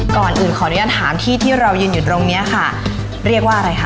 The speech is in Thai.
ก่อนอื่นขออนุญาตถามที่ที่เรายืนอยู่ตรงเนี้ยค่ะเรียกว่าอะไรคะ